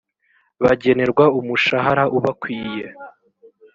bagenerwa umushahara ubakwiye.